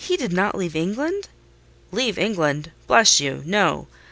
did he not leave England?" "Leave England? Bless you, no!